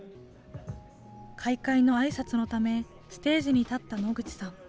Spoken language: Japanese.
開会のあいさつのため、ステージに立った野口さん。